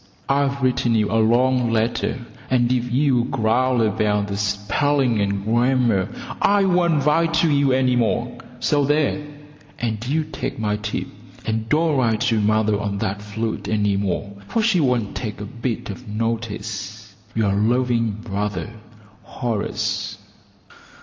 I've written you a long letter, and if you growl about the spelling and grammar I won't write to you any more, so there, and you take my tip and don't write to mother on that flute any more, for she won't take a bit of notice. Yr loving brother, Horace.